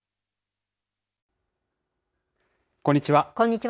こんにちは。